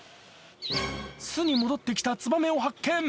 巣に戻ってきたツバメを発見。